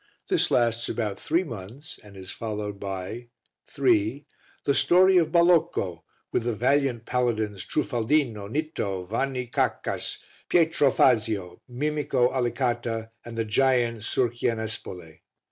This lasts about three months and is followed by III. The Story of Balocco with the valiant Paladins Trufaldino, Nitto, Vanni Caccas, Pietro Fazio, Mimico Alicata and the giant Surchianespole.